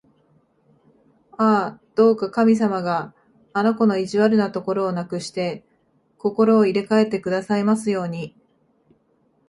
ああ、どうか神様があの子の意地悪なところをなくして、心を入れかえてくださいますように！